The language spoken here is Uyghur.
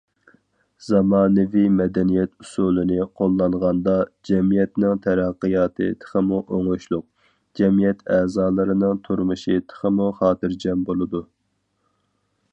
زامانىۋى مەدەنىيەت ئۇسۇلىنى قوللانغاندا، جەمئىيەتنىڭ تەرەققىياتى تېخىمۇ ئوڭۇشلۇق، جەمئىيەت ئەزالىرىنىڭ تۇرمۇشى تېخىمۇ خاتىرجەم بولىدۇ.